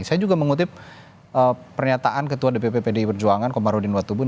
saya juga mengutip pernyataan ketua dpp pdi perjuangan komarudin watubun